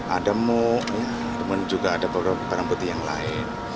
ada mu dan juga ada perang bukti yang lain